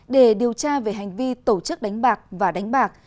để điều tra về hành vi tổ chức đánh bạc và đánh bạc